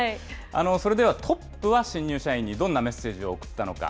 それではトップは新入社員にどんなメッセージを送ったのか。